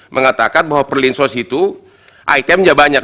mengatakan bahwa perlinsos itu itemnya banyak